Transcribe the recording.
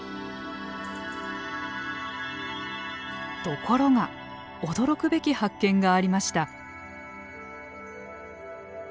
ところが驚くべき発見がありました。